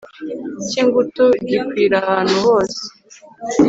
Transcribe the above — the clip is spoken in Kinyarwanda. cyingutu gikwira ahantu hose